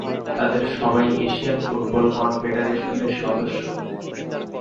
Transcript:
তাদের সবাই Asian football কনফেডারেশনের সদস্য।